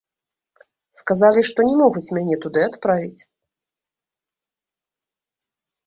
Сказалі, што не могуць мяне туды адправіць.